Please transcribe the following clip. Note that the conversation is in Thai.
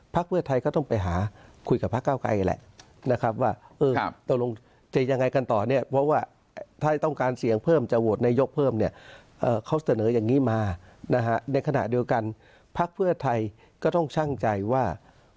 ภักดิ์เพื่อไทยก็ต้องไปหาคุยกับภักดิ์เก้าไกลแหละนะครับว่า